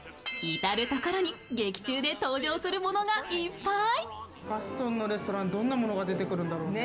至る所に劇中で登場するものがいっぱい！